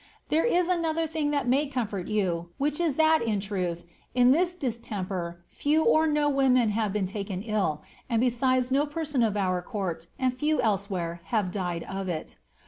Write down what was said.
There is another thing that may comfort you, which is, that, in truth, in this distemper few or no women have been taken ill, and besides no person of our court, and few elsewhere, have died of it.